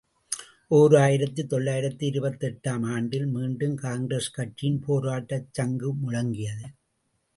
ஓர் ஆயிரத்து தொள்ளாயிரத்து இருபத்தெட்டு ஆம் ஆண்டில் மீண்டும் காங்கிரஸ் கட்சியின் போராட்டச் சங்கு முழங்கியது.